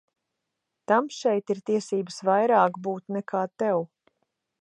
Tam šeit ir tiesības vairāk būt nekā tev.